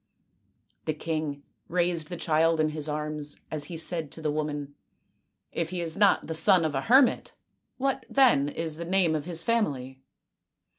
" The king raised the child in his arms as he said to the woman, " If he is not the son of a hermit, what, then, is the name of his family